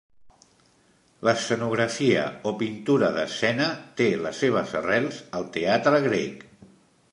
L'escenografia o pintura d'escena té les seves arrels al teatre grec.